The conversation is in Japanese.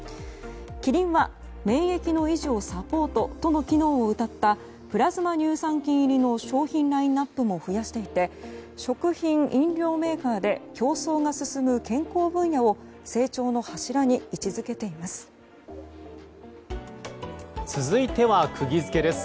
キリンは、免疫の維持をサポートとの機能をうたったプラズマ乳酸菌入りの商品ラインアップも増やしていて食品・飲料メーカーで競争が進む健康分野を成長の柱に位置づけています。